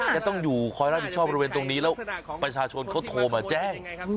จะต้องอยู่คอยรับผิดชอบบริเวณตรงนี้แล้วประชาชนเขาโทรมาแจ้ง